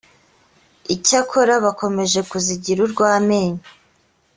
icyakora bakomeje kuzigira urw amenyo